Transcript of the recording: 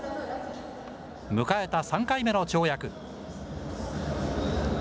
迎えた３回目の跳躍。